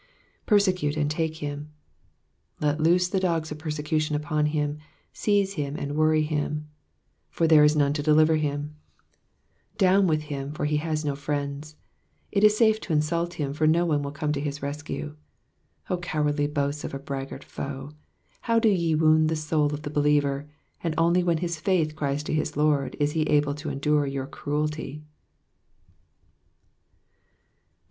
^^ Persecute and take him, '' Let loose the dogs of persecution upon him, seize him, worry him, /br there is none to deliver him,"*^ Down with him, for he has no friends. It is safe to insult him, for none will come to his rescue. O cowardly boasts of a braggart foe, how do ye wound the soul of the believer : and only when his faith cries to his Lord is he able to endure your cruelty.